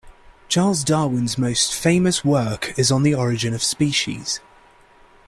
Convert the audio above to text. Charles Darwin's most famous work is On the Origin of Species.